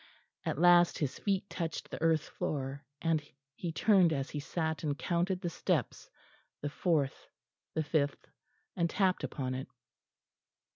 At last his feet touched the earth floor, and he turned as he sat and counted the steps the fourth, the fifth, and tapped upon it.